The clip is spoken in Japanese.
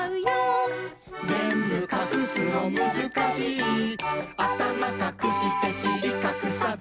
「ぜんぶかくすのむずかしい」「あたまかくしてしりかくさず」